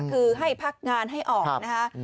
คือให้พักงานให้ออกนะคะ